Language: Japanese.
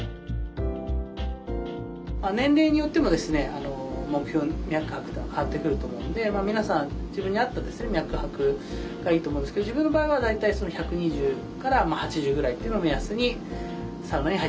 年齢によってもですね目標脈拍が変わってくると思うんで皆さん自分に合ったですね脈拍がいいと思うんですけど自分の場合は大体１２０８０ぐらいっていうのを目安にサウナに入ってます。